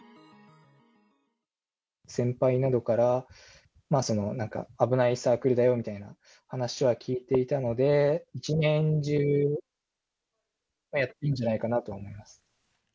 先輩などから、なんか、危ないサークルだよみたいな話は聞いていたので、一年中やってるんじゃないかなと思います。